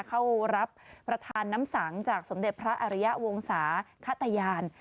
เข้ารับประทานน้ำสังจากสมเด็จพระอริยะวงศาขตยาน